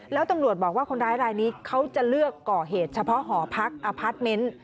แล้วตำรวจบอกว่าคนร้ายรายนี้เขาจะเลือกก่อเหตุเฉพาะหอพักอพาร์ทเมนต์